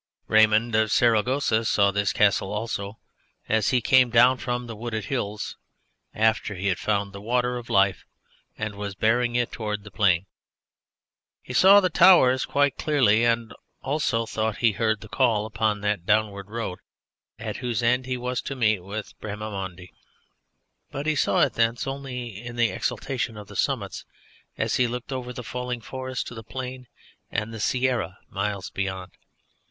Raymond of Saragossa saw this Castle, also, as he came down from the wooded hills after he had found the water of life and was bearing it towards the plain. He saw the towers quite clearly and also thought he heard the call upon that downward road at whose end he was to meet with Bramimonde. But he saw it thence only, in the exaltation of the summits as he looked over the falling forest to the plain and the Sierra miles beyond.